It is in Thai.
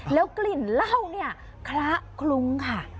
แล้วกลิ่นเหล้าเนี่ยคละคลุ้งค่ะ